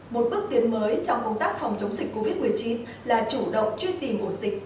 một bước tiến mới trong công tác phòng chống dịch covid một mươi chín là chủ động truy tìm ổ dịch